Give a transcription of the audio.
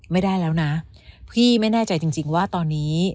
ไม่ได้แล้วนะพี่ไม่แน่ใจจริงว่าตอนนี้